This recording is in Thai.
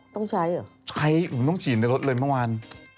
ต้องใช้เหรอใช้ผมต้องฉีดในรถเลยเมื่อวาน